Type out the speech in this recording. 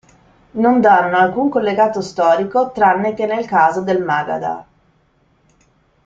Non danno alcun collegato storico tranne che nel caso del Magadha.